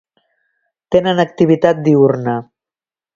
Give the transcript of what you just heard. Tenen activitat diürna.